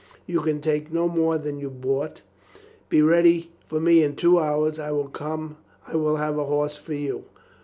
You can take no more than you brought. Be ready for me in two hours. I will have a horse for you."